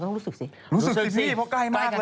สนับสนุนโดยดีที่สุดคือการให้ไม่สิ้นสุด